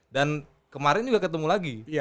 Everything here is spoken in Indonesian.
dan kemarin juga ketemu lagi